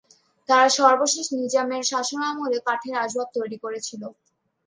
তারা সর্বশেষ নিজামের শাসনামলে কাঠের আসবাব তৈরি করেছিল।